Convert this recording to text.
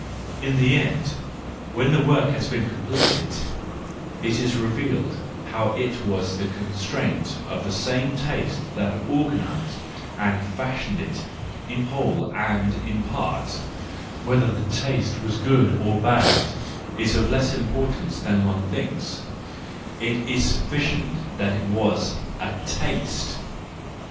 In the end, when the work has been completed, it is revealed how it was the constraint of the same taste that organised and fashioned it in whole or in part: whether the taste was good or bad is of less importance than one thinks,—it is sufficient that it was a taste